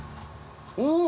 うん！